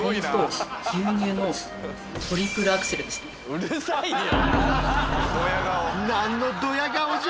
うるさいよ！